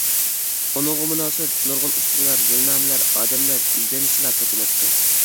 ئۇنىڭغا مۇناسىۋەتلىك نۇرغۇن ئۇچۇرلار، يىلنامىلەر، ئادەملەر ئىزدەنسىلا تېپىلاتتى.